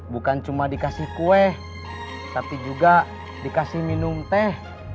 bukan cuma dikasih kue tapi juga dikasih minum teh